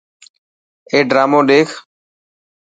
اي ڊرامون ڏيک.